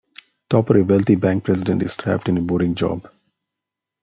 Topper, a wealthy bank president, is trapped in a boring job.